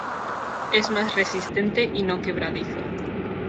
Es más resistente y no quebradizo.